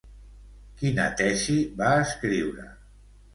Quina tesi va escriure?